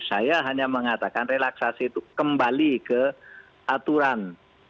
saya hanya mengatakan relaksasi itu kembali ke aturan